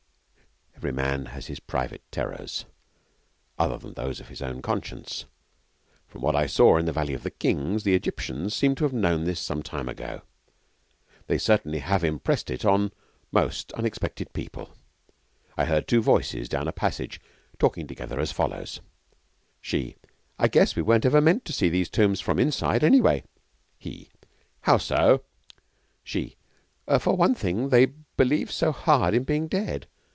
Every man has his private terrors, other than those of his own conscience. From what I saw in the Valley of the Kings, the Egyptians seem to have known this some time ago. They certainly have impressed it on most unexpected people. I heard two voices down a passage talking together as follows: She. I guess we weren't ever meant to see these old tombs from inside, anyway. He. How so? She. For one thing, they believe so hard in being dead.